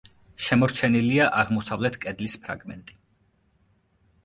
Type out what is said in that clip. შემორჩენილია აღმოსავლეთ კედლის ფრაგმენტი.